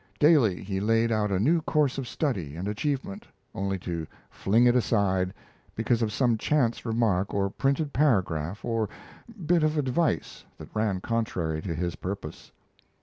Daily he laid out a new course of study and achievement, only to fling it aside because of some chance remark or printed paragraph or bit of advice that ran contrary to his purpose.